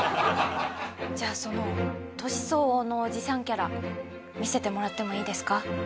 じゃあその年相応のおじさんキャラ見せてもらってもいいですか？